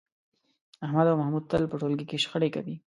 احمد او محمود تل په ټولګي کې شخړې کوي.